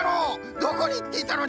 どこにいっていたのだ！？